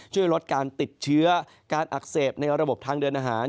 ช่วยลดการติดเชื้อการอักเสบในระบบทางเดินอาหาร